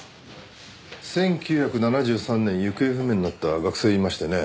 １９７３年行方不明になった学生がいましてね。